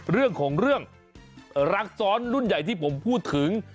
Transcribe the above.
เรื่องของเรื่องรักซ้อนรุ่นใหญ่ที่ผมพูดถึง